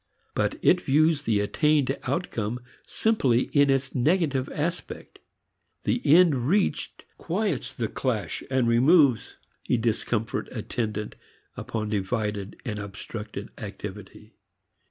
But it views the attained outcome simply in its negative aspect. The end reached quiets the clash and removes the discomfort attendant upon divided and obstructed activity.